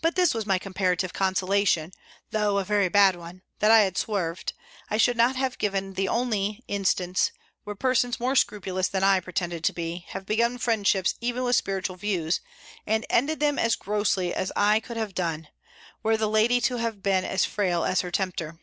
But this was my comparative consolation, though a very bad one, that had I swerved, I should not have given the only instance, where persons more scrupulous than I pretended to be, have begun friendships even with spiritual views, and ended them as grossly as I could have done, were the lady to have been as frail as her tempter."